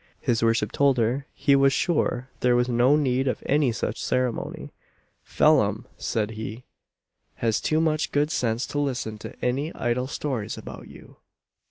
His worship told her he was sure there was no need of any such ceremony "Phelim," said he, "has too much good sense to listen to any idle stories about you."